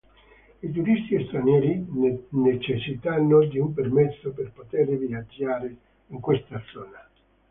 I turisti stranieri necessitano di un permesso per potere viaggiare in questa zona.